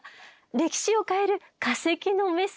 歴史を変える化石のメッセージ。